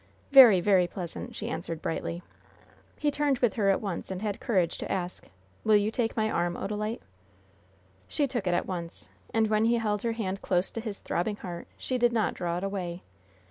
"Very, very pleasant," she answered, brightly. He turned with her at once, and had courage to ask: "Will you take my arm, Odalite?" She took it at once, and, when he held her hand close to his throbbing heart, she did not draw it away.